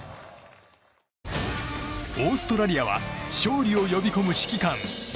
オーストラリアは勝利を呼び込む指揮官。